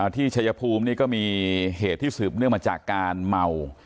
ชัยภูมินี่ก็มีเหตุที่สืบเนื่องมาจากการเมา